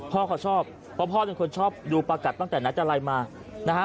พ่อเขาชอบเพราะพ่อเป็นคนชอบดูประกัดตั้งแต่นัดอะไรมานะฮะ